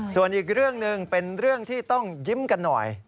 ส่วนอีกเรื่องหนึ่งเป็นเรื่องที่ต้องยิ้มกันหน่อย